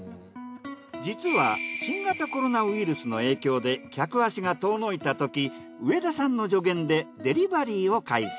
実は新型コロナウイルスの影響で客足が遠のいたとき上田さんの助言でデリバリーを開始。